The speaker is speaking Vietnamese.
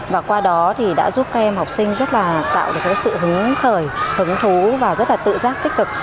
và qua đó đã giúp các em học sinh tạo được sự hứng khởi hứng thú và rất tự giác tích cực